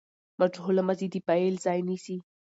مجهوله ماضي د فاعل ځای نیسي.